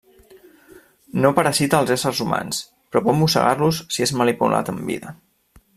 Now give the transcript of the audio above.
No parasita els éssers humans, però pot mossegar-los si és manipulat en vida.